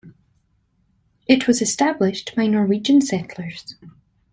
It was established by Norwegian settlers.